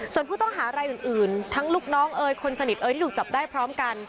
ส่วนผู้ต้องหารายอื่นทั้งลูกน้องเอ๋ยคนสนิทเอ่ยที่ถูกจับได้พร้อมกัน